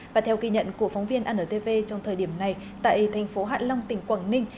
và theo ghi nhận của phóng viên antv trong thời điểm này tại thành phố hạ long tỉnh quảng ninh